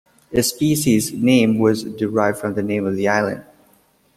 Its species name was derived from the name of the island.